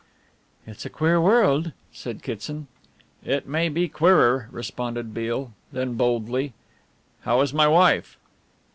"It's a queer world," said Kitson. "It may be queerer," responded Beale, then boldly: "How is my wife?"